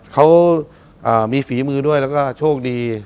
เขามีฝีมือด้วยแล้วก็โชคดี